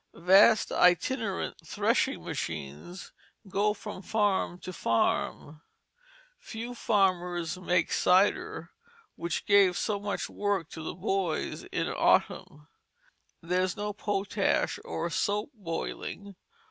Vast itinerant threshing machines go from farm to farm. Few farmers make cider, which gave so much work to the boys in autumn. There is no potash or soap boiling.